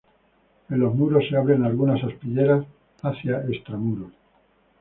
En los muros se abren algunas aspilleras hacia extramuros.